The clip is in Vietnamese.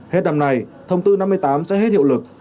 hết năm nay thông tư năm mươi tám sẽ hết hiệu lực